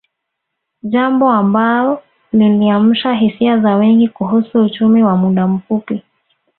Jambo ambao liliamsha hisia za wengi kuhusu uchumi wa muda mfupi